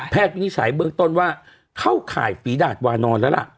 วินิจฉัยเบื้องต้นว่าเข้าข่ายฝีดาดวานอนแล้วล่ะ